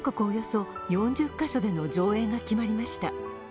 およそ４０カ所での上映が決まりました。